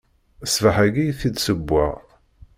Ṣṣbeḥ-ayi i t-id-ssewweɣ.